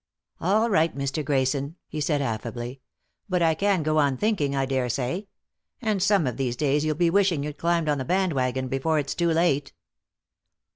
"All right, Mr. Grayson," he said affably. "But I can go on thinking, I daresay. And some of these days you'll be wishing you'd climbed on the band wagon before it's too late."